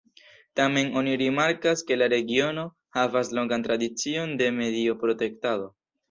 Tamen oni rimarkas ke la regiono havas longan tradicion de medio-protektado.